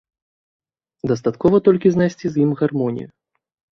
Дастаткова толькі знайсці з ім гармонію.